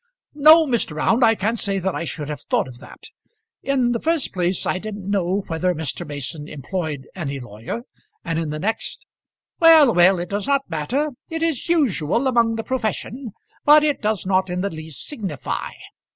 "No, Mr. Round, I can't say that I should have thought of that. In the first place I didn't know whether Mr. Mason employed any lawyer, and in the next " "Well, well; it does not matter. It is usual among the profession; but it does not in the least signify.